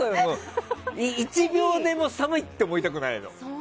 １秒でも寒い！と思いたくないの。